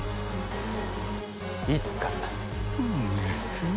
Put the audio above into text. いつからだ？